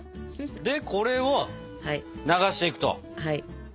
でこれを流していくと。